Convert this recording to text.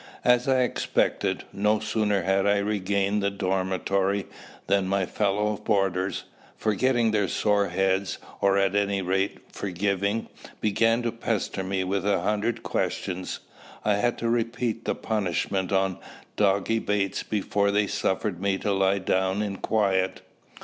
As I expected, no sooner had I regained the dormitory than my fellow boarders forgetting their sore heads, or, at any rate, forgiving began to pester me with a hundred questions. I had to repeat the punishment on Doggy Bates before they suffered me to lie down in quiet.